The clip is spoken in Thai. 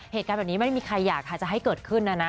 เหตุการณ์แบบนี้ไม่มีใครอยากค่ะจะให้เกิดขึ้นนะนะ